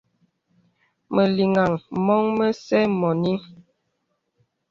Məlìŋà mɔ̄ŋ məsə mɔ̄nì.